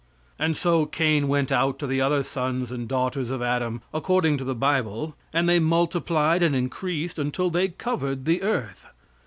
And so Cain went out to the other sons and daughters of Adam, according to the bible, and they multiplied and increased until they covered the earth.